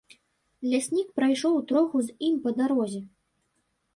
Ляснік прайшоў троху з ім па дарозе.